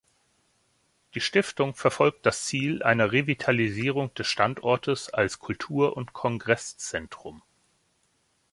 Die Stiftung verfolgt das Ziel einer Revitalisierung des Standortes als Kultur- und Kongresszentrum.